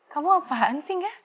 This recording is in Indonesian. kamu apaan sih enggak